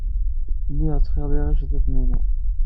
Lliɣ ttxiḍiɣ iceḍḍiḍen-inu.